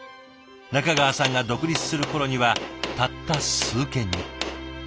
中川さんが独立する頃にはたった数軒に。